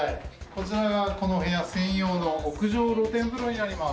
こちらがこの部屋専用の屋上露天風呂になります。